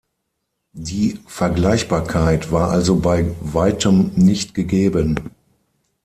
Die Vergleichbarkeit war also bei weitem nicht gegeben.